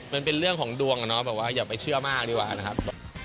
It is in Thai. มันเป็นเรื่องของดวงอะเนาะแบบว่าอย่าไปเชื่อมากดีกว่านะครับ